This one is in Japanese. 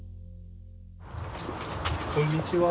こんにちは。